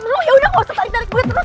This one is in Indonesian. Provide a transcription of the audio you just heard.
lo yaudah gak usah tarik tarik gue terus